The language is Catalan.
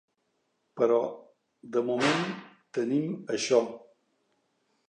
Però de moment, tenim això.